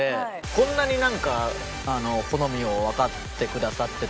こんなになんか好みをわかってくださってというか。